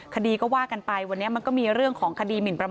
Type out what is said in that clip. คดีก็ว่ากันไปวันนี้มันก็มีเรื่องของคดีหมินประมา